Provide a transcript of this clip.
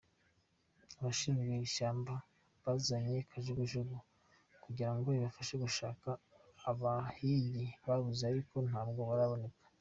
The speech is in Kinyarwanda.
Abashinzwe iri shyamba bazanye kajugujugu kugira ngo ibafashe gushaka abahigi babuze ariko ntabwo baraboneka.